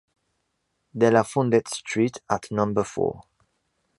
De la Fondette Street at number four.